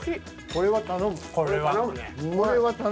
これは頼む。